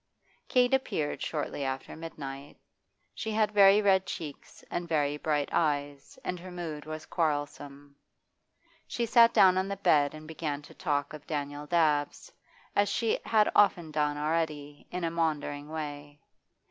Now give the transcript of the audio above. Kate appeared shortly after midnight. She had very red cheeks and very bright eyes, and her mood was quarrelsome. She sat down on the bed and began to talk of Daniel Dabbs, as she had often done already, in a maundering way.